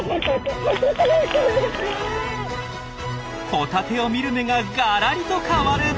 ホタテを見る目がガラリと変わる！